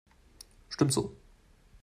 Stimmt so.